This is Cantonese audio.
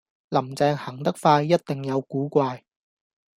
林鄭行得快,一定有古怪